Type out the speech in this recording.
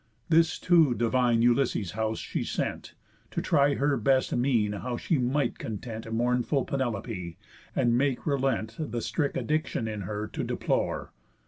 This to divine Ulysses' house she sent, To try her best mean how she might content Mournful Penelope, and make relent The strict addiction in her to deplore.